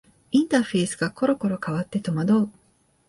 インターフェースがころころ変わって戸惑う